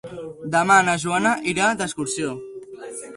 Demà na Joana irà d'excursió.